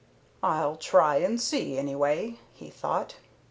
"I'll try and see, anyway," he thought.